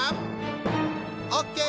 オッケー！